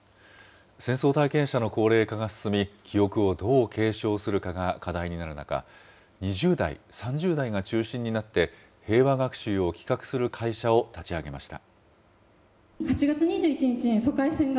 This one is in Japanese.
戦争体験者の高齢化が進み、記憶をどう継承するかが課題になる中、２０代、３０代が中心になって平和学習を企画する会社を立ち上げました。